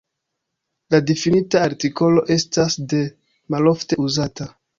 La difinita artikolo estas "de", malofte uzata.